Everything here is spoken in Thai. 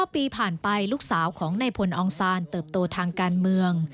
ปีผ่านไปลูกสาวของนายพลองซานเติบโตทางการเมือง